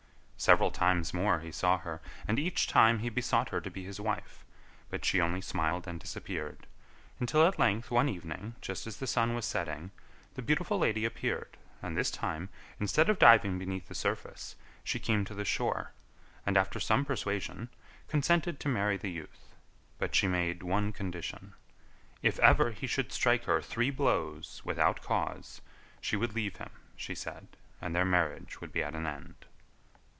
Several times more he saw her and each time he besought her to be his wife, but she only smiled and disappeared, until at length one evening, just as the sun was setting, the beautiful lady appeared, and this time, instead of diving beneath the surface, she came to the shore, and, after some persuasion, consented to marry the youth. But she made one condition: if ever he should strike her three blows without cause she would leave him, she said, and their marriage would be at an end.